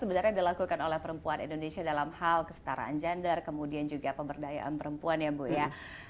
sebenarnya dilakukan oleh perempuan indonesia dalam hal kesetaraan gender kemudian juga pemberdayaan perempuan ya bu ya